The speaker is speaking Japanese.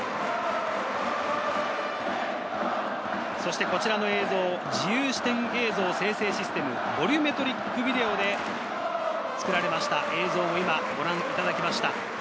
そしてこちらの映像、自由視点映像生成システム、ボリュメトリックビデオで作られました映像をご覧いただきました。